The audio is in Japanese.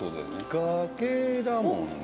崖だもんね。